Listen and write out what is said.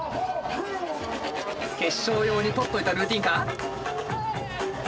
決勝用に取っておいたルーティーンか？